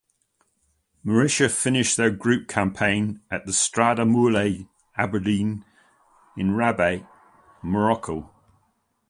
Mauritania finished their group campaign at the Stade Moulay Abdellah in Rabat, Morocco.